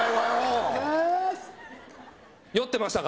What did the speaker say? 酔ってましたか？